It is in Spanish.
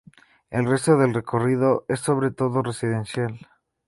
El resto del recorrido es sobre todo residencial.